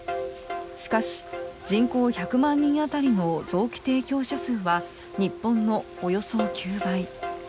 しかし人口１００万人あたりの臓器提供者数は日本のおよそ９倍。